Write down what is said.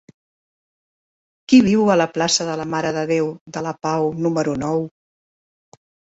Qui viu a la plaça de la Mare de Déu de la Pau número nou?